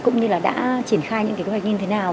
cũng như là đã triển khai những kế hoạch như thế nào